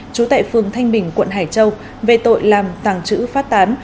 trú tại phường thanh bình quận hải châu về tội làm tàng trữ phát tán